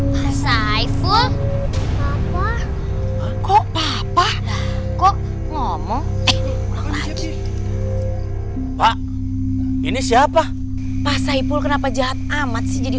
pak saiful apa kok papa kok ngomong lagi pak ini siapa pak saiful kenapa jahat amat sih jadi